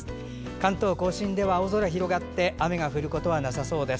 関東・甲信では青空が広がって雨が降ることはなさそうです。